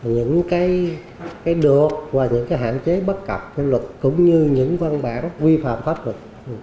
những cái được và những cái hạn chế bất cập của luật cũng như những văn bản quy phạm pháp luật